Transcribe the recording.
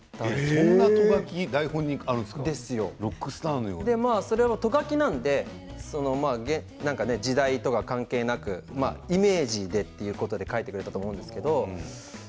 そんなト書きがそれはト書きなので時代とか関係なくイメージだということで書いてくれたと思うんですけど。